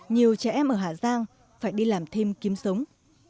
nhiều trẻ em ở hà giang phải đi làm thêm kiếm sống